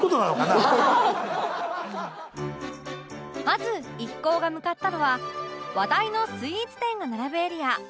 まず一行が向かったのは話題のスイーツ店が並ぶエリア